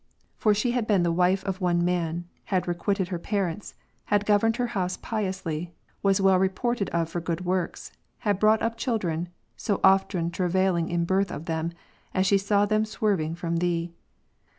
For she had been the wife of one l Tim. 5, iuan, had requited her parents, had governed her house ^'^"^^' piously, was well reported of for good works, had brought up children, so often travailing in birth of them, as she saw Gal. 4, them swerving from Thee.